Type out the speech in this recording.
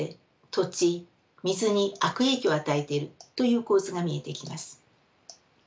土地水に悪影響を与えているという構図が見えてきます。